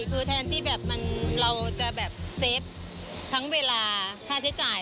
คือแทนที่แบบเราจะแบบเซฟทั้งเวลาค่าใช้จ่าย